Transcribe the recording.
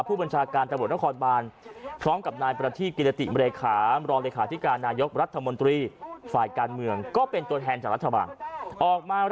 ผู้บัญชาการ